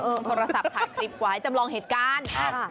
ก็มีโทรศัพท์ถ่ายคลิปกว่าให้จำลองเหตุการณ์